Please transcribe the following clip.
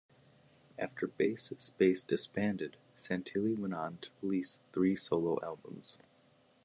After Bass is Base disbanded, Santilli went on to a release three solo albums.